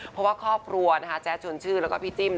เพราะว่าครอบครัวนะคะแจ๊ดชวนชื่นแล้วก็พี่จิ้ม